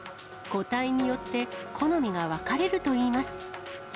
個体によって好みが分かれるといいます。